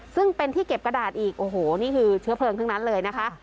ซึ่งเป็นที่เก็บกระดาษอีกโอ้โหนี่คือเชื้อเพลิงทั้งนั้นเลยนะคะ